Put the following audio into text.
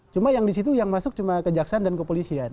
cuma yang di situ yang masuk cuma kejaksaan dan kepolisian